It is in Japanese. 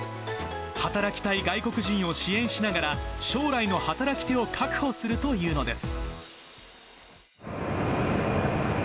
働きたい外国人を支援しながら、将来の働き手を確保するというのです。